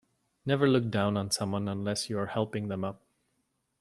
Never look down on someone unless you're helping them up.